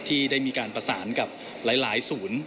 ที่ได้มีการประสานกับหลายศูนย์